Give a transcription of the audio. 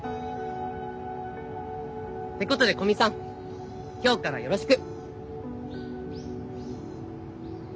てことで古見さん今日からよろしく！